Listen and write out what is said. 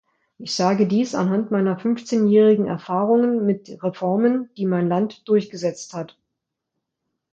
Ich sage dies anhand meiner fünfzehnjährigen Erfahrungen mit Reformen, die mein Land durchgesetzt hat.